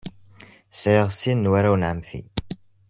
Sɛiɣ sin n warraw n ɛemmti.